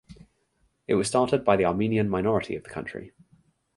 It was started by the Armenian minority of the country.